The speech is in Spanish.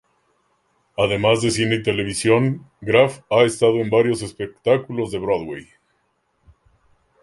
Además de cine y televisión, Graff ha estado en varios espectáculos de Broadway.